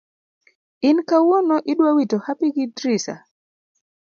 in kawuono idwa wito hapi gi drisa?